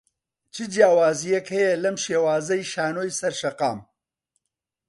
چ جیاوازییەک هەیە لەم شێوازەی شانۆی سەر شەقام؟